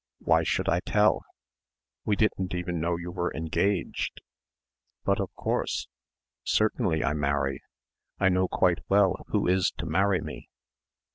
"Why should I tell?" "We didn't even know you were engaged!" "But of course. Certainly I marry. I know quite well who is to marry me."